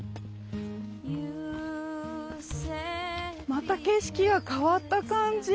また景色が変わった感じ。